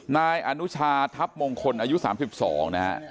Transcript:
นายอนุชาทัพมงคลอายุสามสิบสองนะครับ